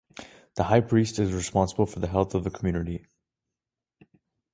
The high priest is responsible for the health of the community.